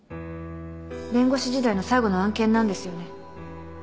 弁護士時代の最後の案件なんですよね。